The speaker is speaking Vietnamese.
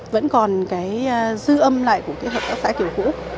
vẫn còn cái dư âm lại của cái hợp tác xã kiểu cũ